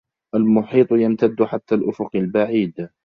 المحيط يمتد حتى الأفق البعيد.